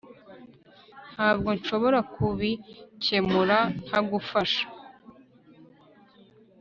ntabwo nshobora kubikemura ntagufasha